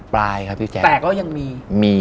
แต่ก็ยังมี